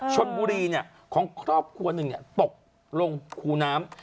ชนบุรีของครอบครัวหนึ่งตกลงคูน้ำ